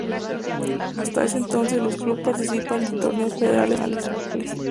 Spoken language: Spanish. Hasta ese entonces los clubes participaban de torneos federales o regionales.